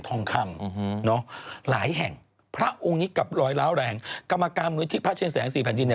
ทองคำหลายแห่งพระองค์นี้กับร้อยล้าวแหล่งกรรมกรรมนุษย์ที่พระเชียงแสงสี่แผ่นดินเนี่ย